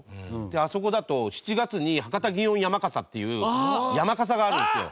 であそこだと７月に博多園山笠っていう山笠があるんですよ。